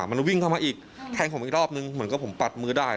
มันวิ่งเข้ามาอีกแทงผมอีกรอบนึงเหมือนกับผมปัดมือได้